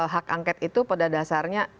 hak angket itu pada dasarnya